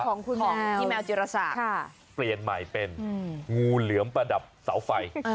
ของพี่แมวจิรษาเปลี่ยนใหม่เป็นงูเหลือมประดับเสาไฟ